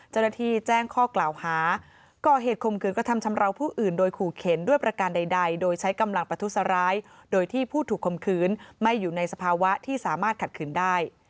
เจ้าหน้าที่แจ้งข้อกล่าวหาก่อเหตุคมคืนกระทำชำราวผู้อื่นโดยขู่เข็นด้วยประการใดโดยใช้กำลังประทุษร้ายโดยที่ผู้ถูกคมคืนไม่อยู่ในสภาวะที่สามารถขัดขืนได้